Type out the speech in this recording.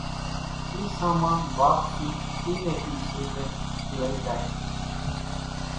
اِي سامان واپسي اي ني اِي سوليَ لئي زائي سي۔